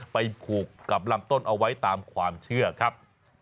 ผูกกับลำต้นเอาไว้ตามความเชื่อครับ